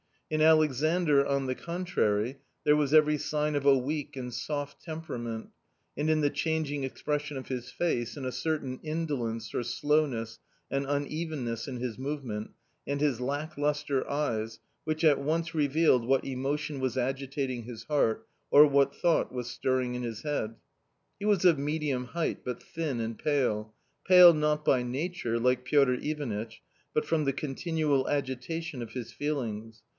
In Alexandr, on the contrary, there was every sign of a weak and soft temperament, and in the changing expression of his face and a certain indolence or slowness and uneven ness in his movement, and his Lack lustre eyes, which at once revealed what emotion was agitating his heart, or what thought was stirring in his head. He was of medium height, but thin and pale — pale not by nature, like Piotr Ivanitch, but from the continual agitation of his feelings.